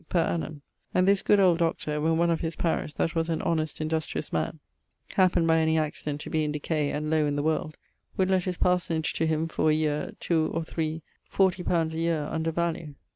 per annum, and this good old Doctor, when one of his parish, that was an honest industrious man, happened by any accident to be in decay and lowe in the world, would let his parsonage to him for a yeare, two, or three, fourty pounds a yeare under value.